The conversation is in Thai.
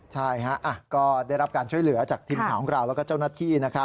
ใช่ก็ได้รับการช่วยเหลือจากทีมข่าวของเราแล้วก็เจ้าหน้าที่